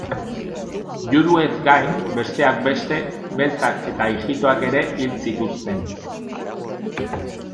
Juduez gain, besteak beste, beltzak eta ijitoak ere hil zituzten.